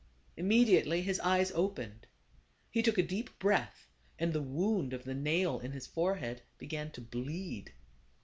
Immediately his eyes opened. He took a deep breath, and the wound of the nail in his forehead began to bleed.